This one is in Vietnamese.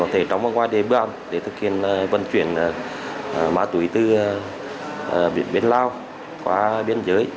có thể trong và ngoài địa bàn để thực hiện vận chuyển má tuổi từ biển lào qua biên giới